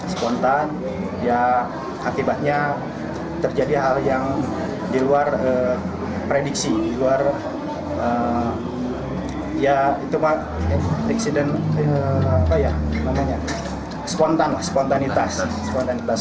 spontan ya akibatnya terjadi hal yang di luar prediksi di luar ya itu maksudnya eksiden apa ya namanya spontan spontanitas